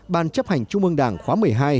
ban chấp hành trung ương đảng khóa một mươi hai